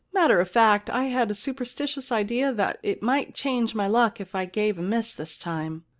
Matter of fact, I had a superstitious idea that it might change my luck if I gave a miss this time.